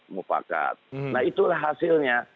mufakat nah itulah hasilnya